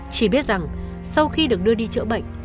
chỉ biết rằng sau khi được đưa đi chữa bệnh